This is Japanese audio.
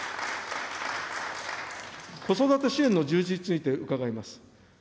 子育て支援の充実について伺います。